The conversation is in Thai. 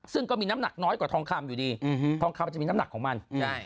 ซึ่งก็มีน้ำหนักน้อยกว่าทองคำอยู่ดีทองคำมันจะมีน้ำหนักของมัน